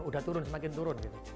sudah turun semakin turun